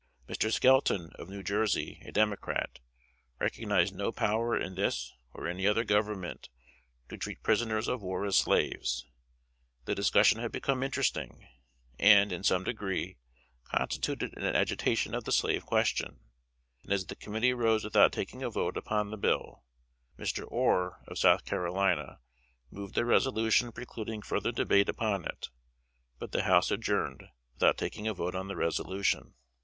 Mr. Skelton, of New Jersey, a Democrat, recognized no power in this or any other government to treat prisoners of war as slaves. The discussion had become interesting, and, in some degree, constituted an agitation of the slave question; and as the committee rose without taking a vote upon the bill, Mr. Orr, of South Carolina, moved a resolution precluding further debate upon it; but the House adjourned without taking a vote on the resolution.